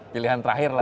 pilihan terakhir lah